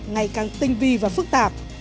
ngày càng tinh vi và phức tạp